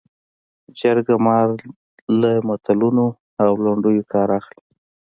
جرګه مار له متلونو او لنډیو کار اخلي